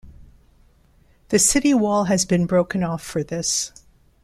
The city wall has been broken off for this.